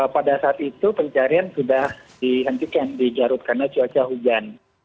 pada saat itu pencarian sudah dihentikan di garut karena cuaca hujan